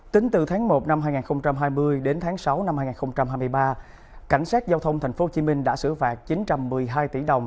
tính từ tháng một năm hai nghìn hai mươi đến tháng sáu năm hai nghìn hai mươi ba cảnh sát giao thông thành phố hồ chí minh đã sửa phạt chín trăm một mươi hai tỷ đồng